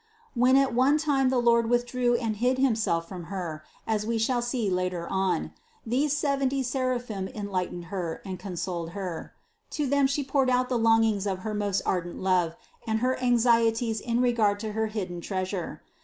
When at one time the Lord withdrew and hid Himself from Her, as we shall see later on, these seventy seraphim enlightened Her and consoled Her; to them She poured out the longings of her most ardent love and her anxieties in regard to her hidden Treasure.